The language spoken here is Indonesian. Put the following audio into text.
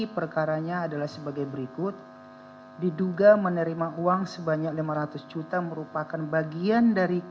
berikutlah ber anecdote ini